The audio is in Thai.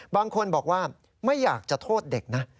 บางคนบอกว่าไม่อยากจะโทษเด็กนะ